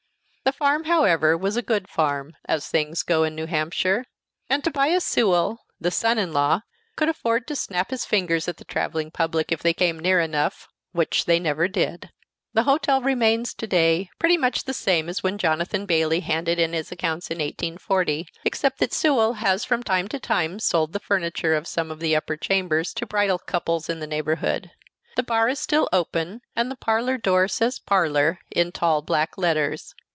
The farm, however, was a good farm, as things go in New Hampshire, and Tobias Sewell, the son in law, could afford to snap his fingers at the traveling public if they came near enough which they never did. The hotel remains to day pretty much the same as when Jonathan Bayley handed in his accounts in 1840, except that Sewell has from time to time sold the furniture of some of the upper chambers to bridal couples in the neighborhood. The bar is still open, and the parlor door says PARLOUR in tall black letters.